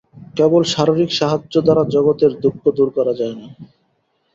কেবল শারীরিক সাহায্য দ্বারা জগতের দুঃখ দূর করা যায় না।